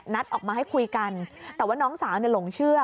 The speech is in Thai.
ออกมาให้คุยกันแต่ว่าน้องสาวหลงเชื่อ